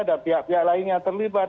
dan pihak pihak lain yang terlibat